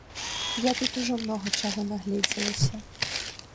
Я тут ужо многа чаго нагледзелася.